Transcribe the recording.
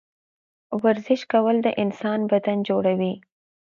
ورزش کول د انسان بدن جوړوي